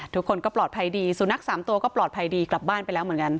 ทุกคนก็ปลอดภัยดีสุนัข๓ตัวก็ปลอดภัยดีกลับบ้านไปแล้วเหมือนกัน